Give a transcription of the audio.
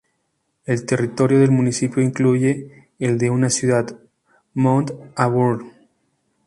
El territorio del municipio incluye el de una ciudad, Mount Auburn.